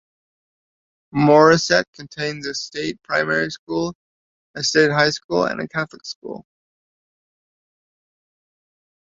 Morisset contains a state primary school, a state high school and a Catholic school.